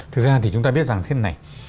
thực ra thì chúng ta biết rằng thế này